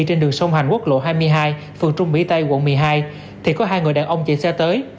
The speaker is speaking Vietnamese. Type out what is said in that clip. trên đường sông hành quốc lộ hai mươi hai phường trung mỹ tây quận một mươi hai thì có hai người đàn ông chạy xe tới